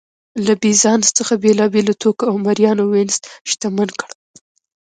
له بېزانس څخه بېلابېلو توکو او مریانو وینز شتمن کړ